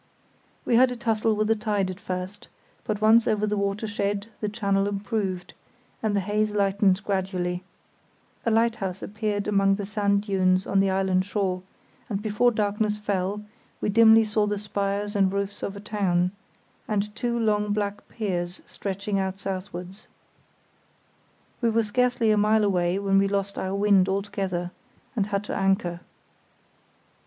We had a tussle with the tide at first, but once over the watershed the channel improved, and the haze lightened gradually. A lighthouse appeared among the sand dunes on the island shore, and before darkness fell we dimly saw the spires and roofs of a town, and two long black piers stretching out southwards. We were scarcely a mile away when we lost our wind altogether, and had to anchor.